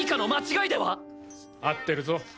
合ってるぞ。